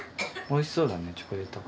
おいしそうって。